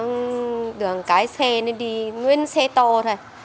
bây giờ nó bụi bậm đường cái xe nó đi nguyên xe to thôi